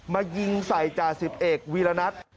มายิงส่ายจ่า๑๑วีละนัฐ